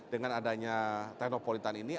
dengan adanya teknopolitan ini